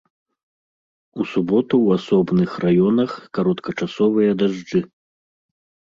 У суботу ў асобных раёнах кароткачасовыя дажджы.